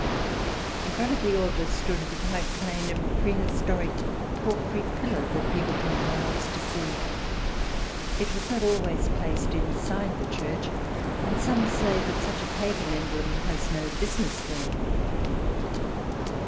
In front of the altar stood the quite plain and prehistoric porphyry pillar that people come miles to see. It was not always placed inside the church, and some say that such a pagan emblem has no business there.